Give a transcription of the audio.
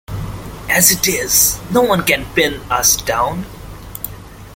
As it is, no one can pin us down.